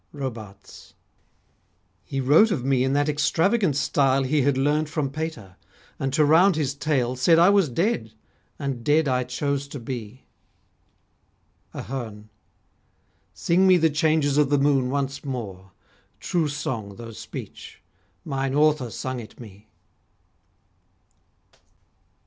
ROBARTES He wrote of me in that extravagant style He had learnt from Pater, and to round his tale Said I was dead; and dead I chose to be. AHERNE Sing me the changes of the moon once more; True song, though speech: 'mine author sung it me.'